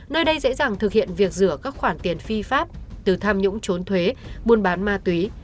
nơi đây dễ dàng thực hiện việc rửa các khoản tiền phi pháp từ tham nhũng trốn thuế buôn bán ma túy